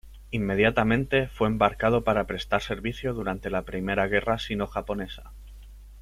Inmediatamente fue embarcado para prestar servicio durante la Primera Guerra Sino-japonesa.